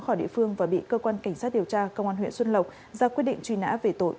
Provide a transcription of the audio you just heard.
khỏi địa phương và bị cơ quan cảnh sát điều tra công an huyện xuân lộc ra quyết định truy nã về tội